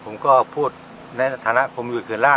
ผมก็พูดท้านความต้นมาก